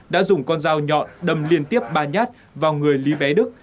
đã dùng con dao nhọn đâm liên tiếp ba nhát vào người lý bé đức